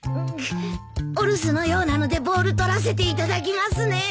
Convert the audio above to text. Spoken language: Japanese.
お留守のようなのでボール取らせていただきますね。